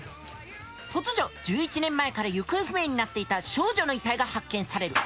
突如１１年前から行方不明になっていた少女の遺体が発見される。